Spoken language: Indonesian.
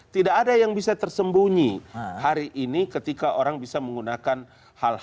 tidak ada yang bisa tersembunyi hari ini ketika orang bisa menggunakan hal hal yang terkait dengan media sosial